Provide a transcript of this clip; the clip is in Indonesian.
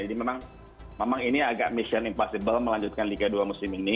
jadi memang ini agak mission impossible melanjutkan liga dua musim ini